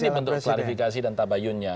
ini bentuk klarifikasi dan tabayunnya